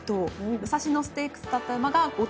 武蔵野ステークスだった馬が５頭。